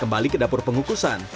kembali ke dapur pengukusan